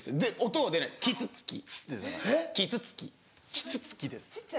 「キツキ」です。